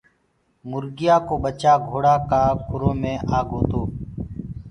مرگيآ ڪو ٻچآ گھوڙآ ڪآ کُرو مي آگو تو۔